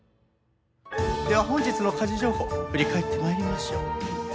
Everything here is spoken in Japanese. では本日の家事情報振り返って参りましょう。